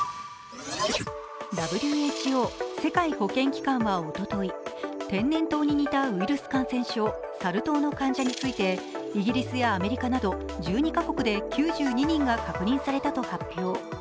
ＷＨＯ＝世界保健機関はおととい、天然痘に似たウイルス感染症サル痘の患者についてイギリスやアメリカなど１２カ国で９２人が確認されたと発表。